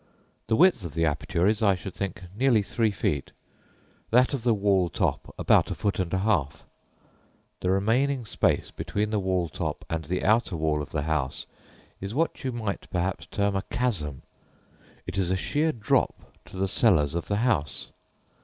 The width of the aperture is, I should think, nearly three feet; that of the wall top about a foot and a half; the remaining space between the wall top and the outer wall of the house is what you might perhaps term 'a chasm' it is a sheer drop to the cellars of the house.